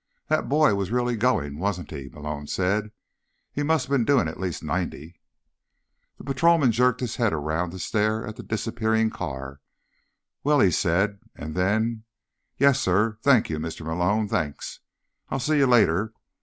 "That boy was really going, wasn't he?" Malone said. "He must have been doing at least ninety." The patrolman jerked his head around to stare at the disappearing car. "Well—" he said, and then: "Yes, sir. Thank you, Mr. Malone. Thanks. I'll see you later."